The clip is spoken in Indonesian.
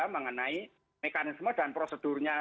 mengenai mekanisme dan prosedurnya